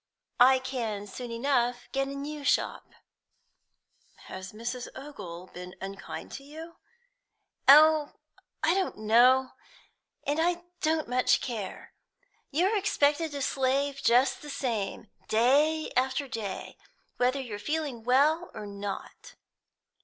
I can soon enough get a new shop." "Has Mrs. Ogle been unkind to you?" "Oh, I don't know, and I don't much care. You're expected to slave just the same, day after day, whether you're feeling well or not."